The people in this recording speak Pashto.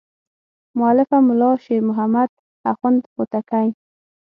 مؤلفه ملا شیر محمد اخوند هوتکی.